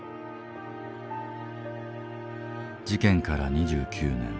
事件から２９年。